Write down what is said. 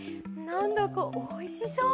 なんだかおいしそう。